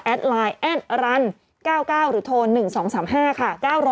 ไลน์แอดรัน๙๙หรือโทร๑๒๓๕ค่ะ